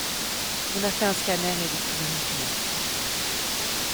On a fait un scanner et découvert une tumeur.